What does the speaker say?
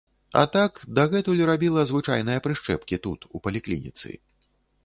А так, дагэтуль рабіла звычайныя прышчэпкі тут, у паліклініцы.